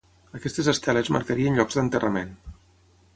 Aquestes esteles marcarien llocs d'enterrament.